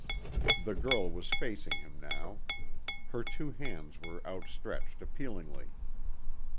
The girl was facing him now. Her two hands were outstretched appealingly.